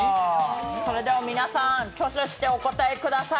それでは皆さん、挙手してお答えください。